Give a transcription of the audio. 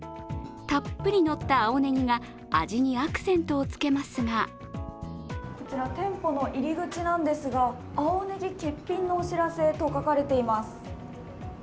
たっぷりのった青ねぎが味にアクセントをつけますがこちら店舗の入り口なんですが青ねぎ欠品のお知らせと書かれています。